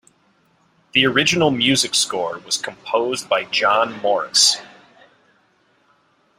The original music score was composed by John Morris.